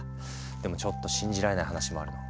でもちょっと信じられない話もあるの。